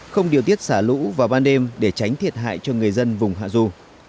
không điều tiết xả lũ vào ban đêm để tránh thiệt hại cho người dân vùng hạ du